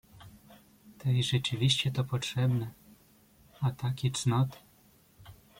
"Tej rzeczywiście to potrzebne: ataki cnoty!"